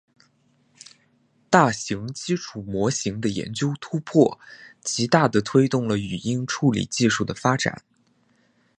大型基础模型的研究突破，极大地推动了语音处理技术的发展。